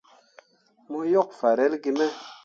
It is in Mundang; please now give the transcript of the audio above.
Mo yok farelle gi me.